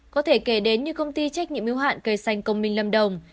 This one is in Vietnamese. có thể kể đến như công ty trách nhiệm yếu hạn cây xanh công minh lâm đồng